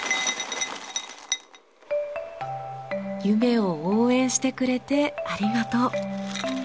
夢を応援してくれてありがとう。